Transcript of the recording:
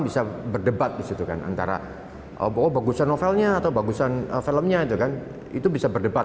bisa berdebat disitu kan antara bahwa bagusan novelnya atau bagusan filmnya itu kan itu bisa berdebat